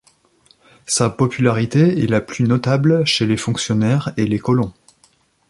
Sa popularité est la plus notable chez les fonctionnaires et les colons.